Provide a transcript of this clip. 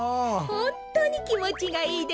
ほんとうにきもちがいいですねえ。